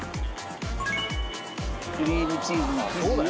クリームチーズの生地を。